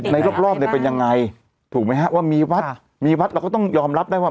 ในรอบเนี่ยเป็นยังไงถูกไหมฮะว่ามีวัดมีวัดเราก็ต้องยอมรับได้ว่า